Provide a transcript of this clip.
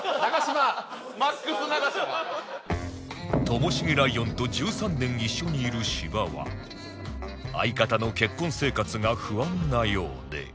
ともしげライオンと１３年一緒にいる芝は相方の結婚生活が不安なようで